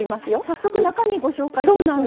早速中身ご紹介しましょう。